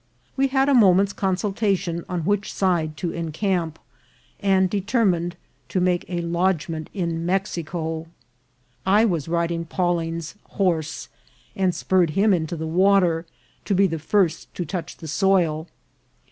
We had a mo ment's consultation on which side to encamp, and de termined to make a lodgment in Mexico. I was riding Pawling's horse, and spurred him into the water, to be the first to touch the soil.